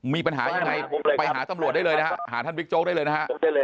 มีปัญหายังไงไปหาตำรวจได้เลยนะฮะหาท่านบิ๊กโจ๊กได้เลยนะฮะ